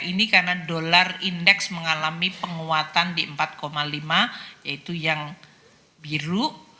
ini karena dolar indeks mengalami penguatan di empat lima yaitu yang biru